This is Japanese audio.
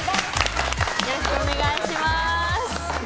よろしくお願いします。